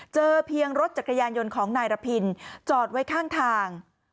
เจอเพียงรถจักรยานยนต์ของนายระพินจอดไว้ข้างทาง